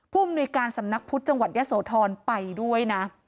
อำนวยการสำนักพุทธจังหวัดยะโสธรไปด้วยนะ